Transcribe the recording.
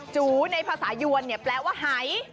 จูในภาษายวนแปลว่าไหอ๋อ